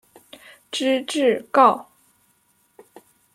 知制诰。